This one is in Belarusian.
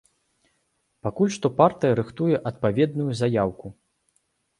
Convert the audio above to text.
Пакуль што партыя рыхтуе адпаведную заяўку.